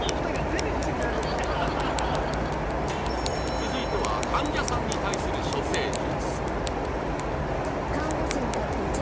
続いては患者さんに対する処世術